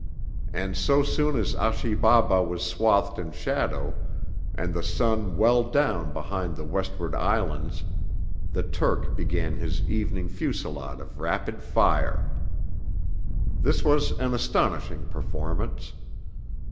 And so soon as Achi Baba was swathed in shadow, and the sun well down behind the westward islands, the Turk began his evening fusillade of rapid fire. This was an astonishing performance.